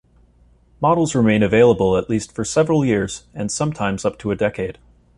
Models remain available at least for several years, and sometimes up to a decade.